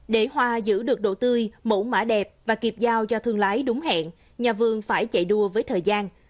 để hoa giữ được độ tươi mẫu mã đẹp và kịp giao cho thương lái đúng hẹn nhà vườn phải chạy đua với thời gian